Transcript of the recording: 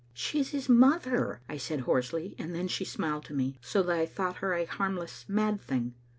"She is his mother," I said hoarsely, and then she smiled to me, so that I thought her a harmless mad thing.